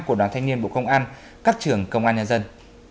của đoàn thanh niên bộ công an các trường công an nhân dân